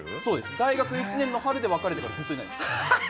大学１年の春で別れてからずっといないです。